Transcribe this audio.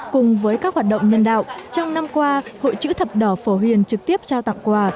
cùng với các hoạt động nhân đạo trong năm qua hội chữ thập đỏ phổ huyền trực tiếp trao tặng quà